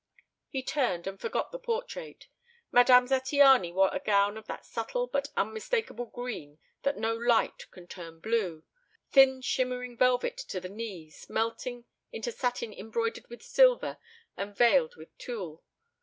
He turned, and forgot the portrait. Madame Zattiany wore a gown of that subtle but unmistakable green that no light can turn blue; thin shimmering velvet to the knees, melting into satin embroidered with silver and veiled with tulle.